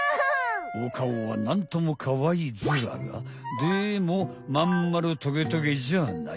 おかおはなんともかわいいズラがでもまん丸トゲトゲじゃあない。